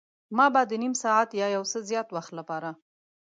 ما به د نیم ساعت یا یو څه زیات وخت لپاره.